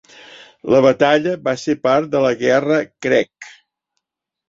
La batalla va ser part de la Guerra Creek.